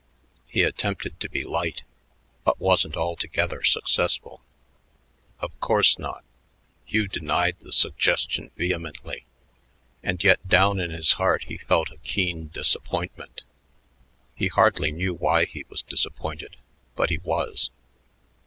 He attempted to be light but wasn't altogether successful. "Of course not." Hugh denied the suggestion vehemently, and yet down in his heart he felt a keen disappointment. He hardly knew why he was disappointed, but he was.